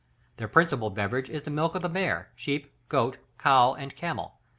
Their principal beverage is the milk of the mare, sheep, goat, cow, and camel.